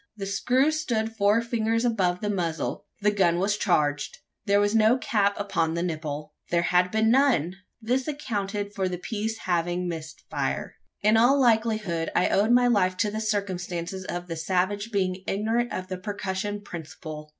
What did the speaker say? The screw stood four fingers above the muzzle: the gun was charged! There was no cap upon the nipple. There had been none! This accounted for the piece having missed fire. In all likelihood, I owed my life to the circumstance of the savage being ignorant of the percussion principle!